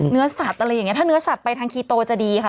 เนื้อสัตว์อะไรอย่างนี้ถ้าเนื้อสัตว์ไปทางคีโตจะดีค่ะ